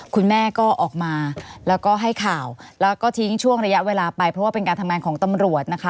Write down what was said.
คุณแม่ก็ออกมาแล้วก็ให้ข่าวแล้วก็ทิ้งช่วงระยะเวลาไปเพราะว่าเป็นการทำงานของตำรวจนะคะ